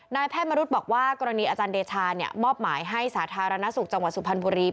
แพทย์มรุษบอกว่ากรณีอาจารย์เดชามอบหมายให้สาธารณสุขจังหวัดสุพรรณบุรี